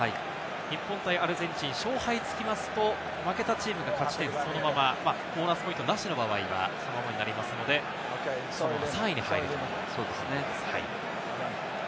日本対アルゼンチン、勝敗がつきますと、負けたチームが勝ち点そのまま、ボーナスポイントなしの場合はそのままになりますので、３位に入ります。